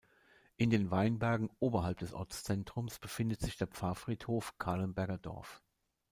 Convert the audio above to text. In den Weinbergen oberhalb des Ortszentrums befindet sich der Pfarrfriedhof Kahlenbergerdorf.